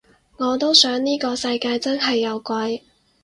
我都想呢個世界真係有鬼